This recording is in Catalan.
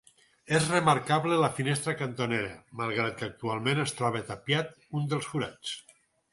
És remarcable la finestra cantonera, malgrat que actualment es troba tapiat un dels forats.